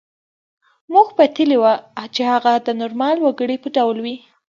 موږ پتېیلې وه چې هغه د نورمال وګړي په ډول وي